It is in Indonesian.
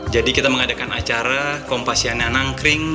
jadi kita mengadakan acara kompasiana nangkring